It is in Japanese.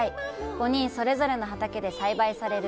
５人それぞれの畑で栽培される